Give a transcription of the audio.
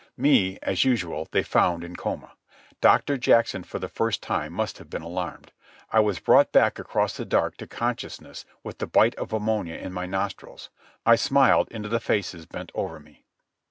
Me, as usual, they found in coma. Doctor Jackson for the first time must have been alarmed. I was brought back across the dark to consciousness with the bite of ammonia in my nostrils. I smiled into the faces bent over me.